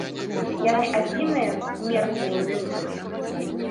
Яны адзіныя з смертныя німфы.